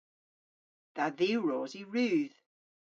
Dha dhiwros yw rudh.